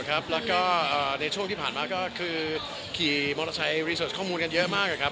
ครับแล้วก็ในช่วงที่ผ่านมาก็คือขี่มทชข้องมูลกันเยอะมากครับ